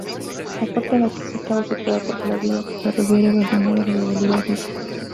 La puerta de acceso está situada tras la vía ferroviaria abandonada Valladolid-Ariza.